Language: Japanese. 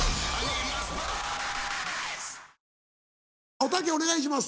おたけお願いします。